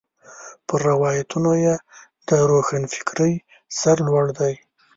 پر روایتونو یې د روښنفکرۍ سر لوړ دی.